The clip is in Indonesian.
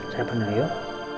saya penuh yuk